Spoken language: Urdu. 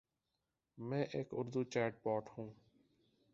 میں ایک اردو چیٹ بوٹ ہوں۔